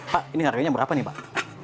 pak ini harganya berapa nih pak